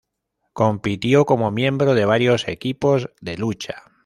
Compitió como miembro de varios equipos de lucha.